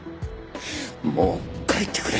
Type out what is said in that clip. もう帰ってくれ。